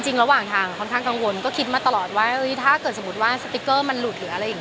จริงระหว่างทางค่อนข้างกังวลก็คิดมาตลอดว่าถ้าสมมุติว่าสติกเกอร์มันหลุด